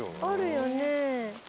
あるよね？